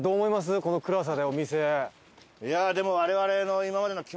この暗さでお店。